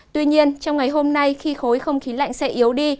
tuy nhiên trong ngày hôm nay khi khối không khí lạnh sẽ yếu đi